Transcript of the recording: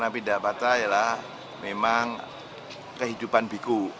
pindah patah adalah memang kehidupan biku